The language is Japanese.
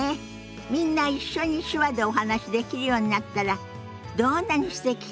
みんな一緒に手話でお話しできるようになったらどんなにすてきかしら。